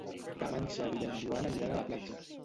Demà en Xavi i en Joan aniran a la platja.